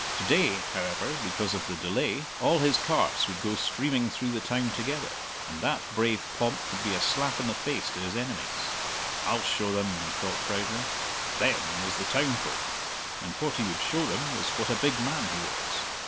To day, however, because of the delay, all his carts would go streaming through the town together, and that brave pomp would be a slap in the face to his enemies. "I'll show them," he thought proudly. "Them" was the town folk, and what he would show them was what a big man he was.